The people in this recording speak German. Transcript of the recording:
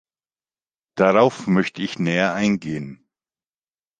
Darauf möchte ich näher eingehen.